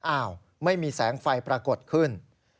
อ้าวไม่มีแสงไฟปรากฏขึ้น